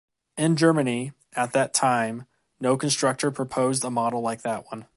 In Germany. at that time, no constructor proposed a model like that one.